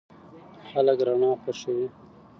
خلک رڼا خوښوي.